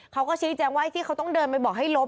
เขาก็ชี้แจงว่าที่เขาต้องเดินไปบอกให้ลบ